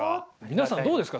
皆さんどうですか。